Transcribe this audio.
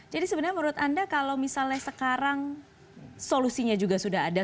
jadi sebenarnya menurut anda kalau misalnya sekarang solusinya juga sudah ada